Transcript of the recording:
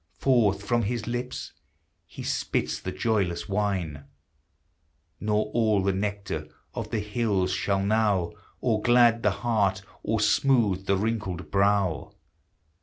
Forth from his lips he spits the joyless wine ! Nor all the nectar of the hills shall now 330 THE HIGHER LIFE. Or glad the heart, or smooth the wrinkled brow